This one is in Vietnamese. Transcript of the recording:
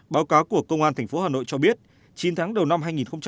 báo cáo của công an thành phố hà nội cho biết chín tháng đầu năm hai nghìn một mươi sáu